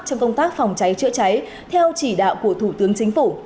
trong công tác phòng cháy chữa cháy theo chỉ đạo của thủ tướng chính phủ